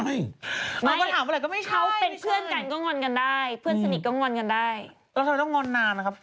แล้วทำไมต้องงอนนานนะครับ